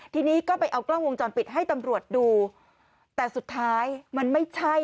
ทีนี้ก็ไปเอากล้องวงจรปิดให้ตำรวจดูแต่สุดท้ายมันไม่ใช่